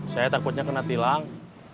saya takutnya kena tilang